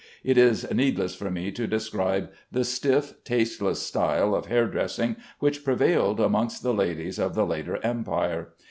It is needless for me to describe the stiff, tasteless style of hair dressing which prevailed amongst the ladies of the later Empire.